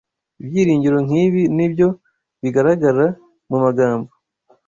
Ibyiringiro nk’ibi ni byo bigaragara mu magambo